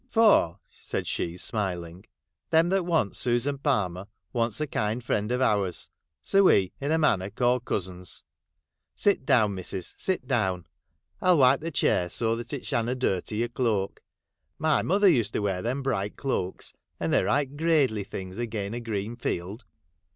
' For,' said she, smiling, ' them that wants Susan Palmer wants a kind friend of ours ; so we, in a manner, call cousins. Sit down, missTis, sit do, wn. I '11 wipe the chair, so that it shanna dirty your cloak. My mother used to wear them bright cloaks, and they 're right gradely things again a green field.'